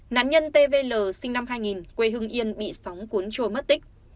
nạn nhân t v l sinh năm hai nghìn quê hưng yên bị sóng cuốn trôi mất tích